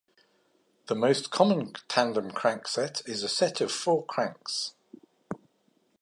The most common tandem crankset is a set of four cranks.